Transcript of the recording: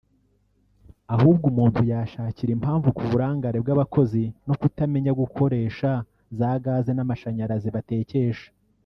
ahubwo umuntu yashakira impamvu ku burangare bw’abakozi no kutamenya gukoresha za gaz n’amashanyarazi batekesha